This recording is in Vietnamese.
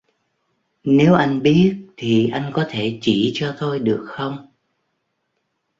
Nếu anh biết thì anh có thể chỉ cho tôi được không